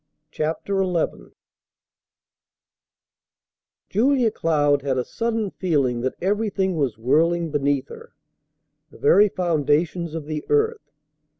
CHAPTER XI Julia Cloud had a sudden feeling that everything was whirling beneath her the very foundations of the earth.